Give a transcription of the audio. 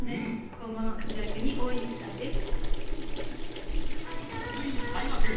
今後の活躍に大いに期待です